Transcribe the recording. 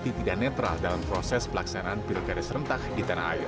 tidak netral dalam proses pelaksanaan pilkada serentak di tanah air